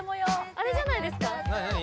あれじゃないですか？